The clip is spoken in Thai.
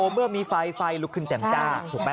เมื่อมีไฟลูกขึ้นแจ่มจ้า